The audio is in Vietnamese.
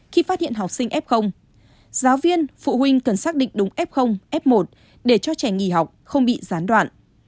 khi phát hiện học sinh f giáo viên phụ huynh cần xác định đúng f f một để cho trẻ nghỉ học không bị gián đoạn